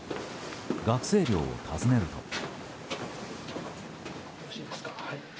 学生寮を訪ねると。